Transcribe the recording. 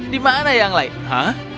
di mana yang lain ha